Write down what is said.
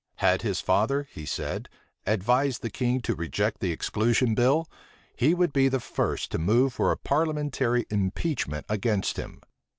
Had his father, he said, advised the king to reject the exclusion bill, he would be the first to move for a parliamentary impeachment against him.